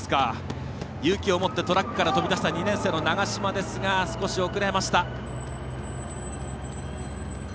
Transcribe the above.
勇気を持ってトラックから飛び出した２年生の長嶋ですが少し遅れました。